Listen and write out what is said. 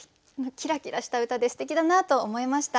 キラキラした歌ですてきだなと思いました。